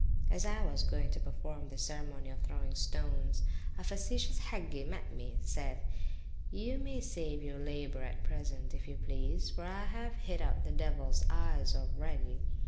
As I was going to perform this ceremony of throwing the stones, a facetious Hagge met me; saith he, You may save your labour at present, if you please, for I have hit out the devils eyes already.